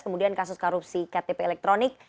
dan kemudian kasus korupsi ktp elektronik